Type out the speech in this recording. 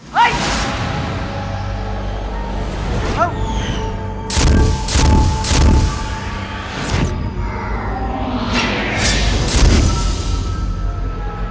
เฮ้ย